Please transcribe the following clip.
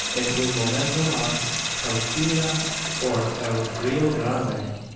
En un momento mas, partira por el Rio Grande_.